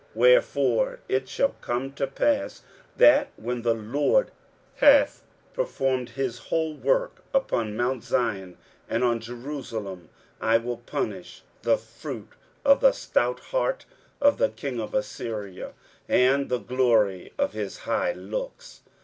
23:010:012 Wherefore it shall come to pass, that when the Lord hath performed his whole work upon mount Zion and on Jerusalem, I will punish the fruit of the stout heart of the king of Assyria, and the glory of his high looks.